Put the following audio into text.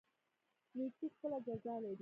نیکي خپله جزا لري